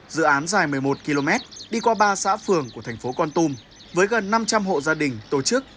dự án dài một mươi một km đi qua ba xã phường của thành phố con tum với gần năm trăm linh hộ gia đình tổ chức